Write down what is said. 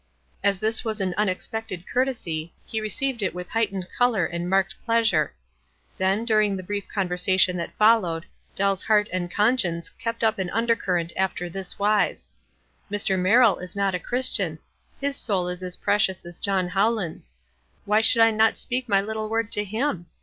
As this was an unexpected courtesy, he received it with height ened color and marked pleasure. Then, during the brief conversation that followed, Dell's heart and conscience kept up an undercurrent after this wise :" Mr. Merrill is not a Christian. His 6oul is as precious as John Howland's. Why should I not speak my little word to him